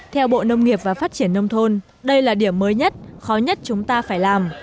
theo bộ nông nghiệp và phát triển nông thôn đây là điểm mới nhất khó nhất chúng ta phải làm